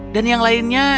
dan yang lainnya